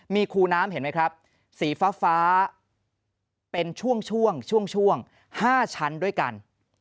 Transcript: มีคูน้ำเห็นไหมครับสีฟ้าเป็นช่วงช่วง๕ชั้นด้วยกัน